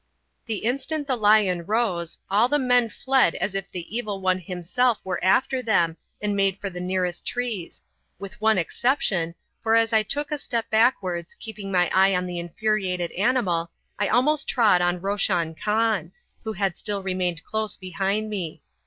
The instant the lion rose, all the men fled as if the Evil One himself were after them, and made for the nearest trees with one exception, for as I took a step backwards, keeping my eye on the infuriated animal, I almost trod on Roshan Khan, who had still remained close behind me.